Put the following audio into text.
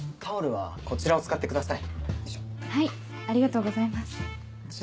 はい。